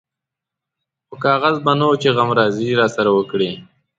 خو کاغذ به نه و چې غمرازي راسره وکړي.